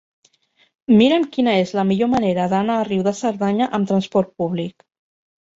Mira'm quina és la millor manera d'anar a Riu de Cerdanya amb trasport públic.